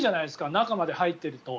中まで入っていると。